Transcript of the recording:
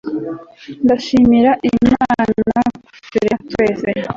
Ndashimira Imana kuturema twese